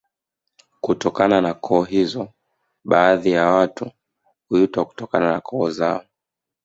Kutokana na koo hizo baadhi ya watu huitwa kutokana na koo zao